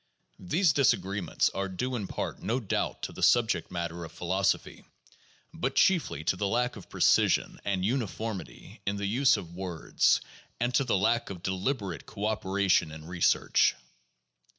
These disagreements are due in part, no doubt, to the subject matter of philosophy, but chiefly to the lack of precision and uniformity in the use of words and to the lack of deliberate cooperation in research.